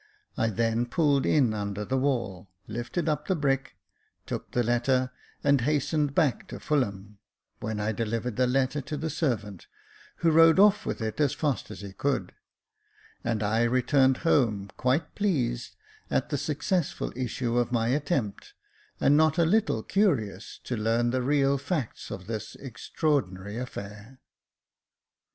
I then pulled in under the wall, lifted up the brick, took the letter, and hastened back to Fulham ; when I delivered the letter to the servant, who rode off with it as fast as he could , and I returned home quite pleased at the successful issue of my attempt, and not a little curious to learn the real facts of this extraordinary affair.